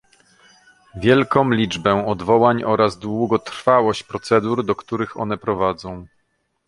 wielką liczbę odwołań oraz długotrwałość procedur, do których one prowadzą